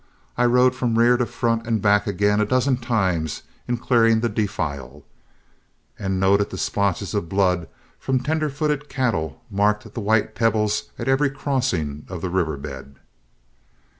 I rode from rear to front and back again a dozen times in clearing the defile, and noted that splotches of blood from tender footed cattle marked the white pebbles at every crossing of the river bed.